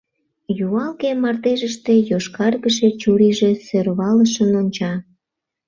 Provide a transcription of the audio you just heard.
— Юалге мардежыште йошкаргыше чурийже сӧрвалышын онча.